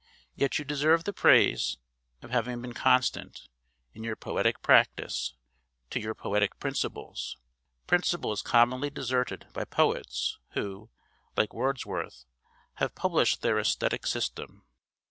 Yet you deserve the praise of having been constant, in your poetic practice, to your poetic principles principles commonly deserted by poets who, like Wordsworth, have published their aesthetic system.